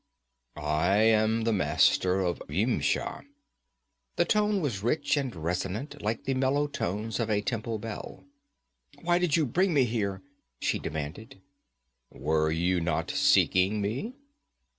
'I am the Master of Yimsha.' The tone was rich and resonant, like the mellow tones of a temple bell. 'Why did you bring me here?' she demanded. 'Were you not seeking me?'